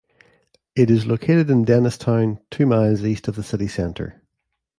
It is located in Dennistoun, two miles east of the city centre.